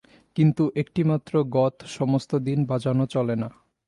কিন্তু একটিমাত্র গৎ সমস্ত দিন বাজানো চলে না।